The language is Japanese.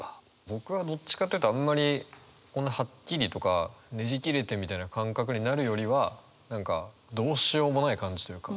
僕はどっちかって言うとあんまりこんな「はっきり」とか「ねじ切れて」みたいな感覚になるよりは何かどうしようもない感じというか。